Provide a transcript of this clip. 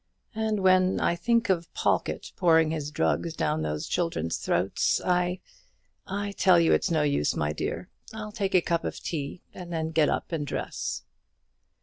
And when I think of Pawlkatt pouring his drugs down those children's throats, I I tell you it's no use, my dear; I'll take a cup of tea, and then get up and dress."